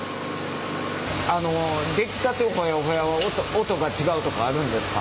出来たてホヤホヤは音が違うとかあるんですか？